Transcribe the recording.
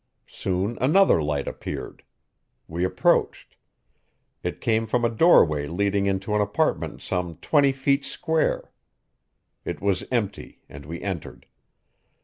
Soon another light appeared. We approached. It came from a doorway leading into an apartment some twenty feet square. It was empty, and we entered.